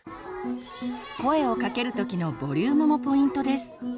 声をかける時のボリュームもポイントです。